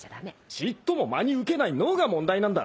ちっとも真に受けない脳が問題なんだ。